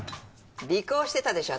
尾行してたでしょ